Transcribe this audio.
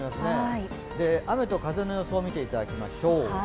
雨と風の予想を見ていただきましょう。